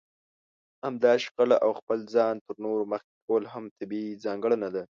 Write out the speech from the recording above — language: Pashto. همداسې شخړه او خپل ځان تر نورو مخکې کول هم طبيعي ځانګړنه ده.